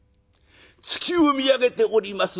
月を見上げております